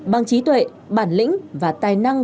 bằng trí tuệ bản lĩnh và tài năng